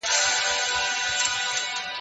ساعت په دیوال پورې بې حرکته پاتې و.